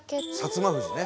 摩富士ね。